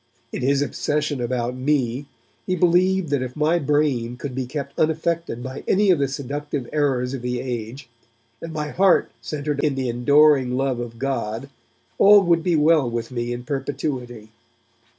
In his obsession about me, he believed that if my brain could be kept unaffected by any of the seductive errors of the age, and my heart centred in the adoring love of God, all would be well with me in perpetuity.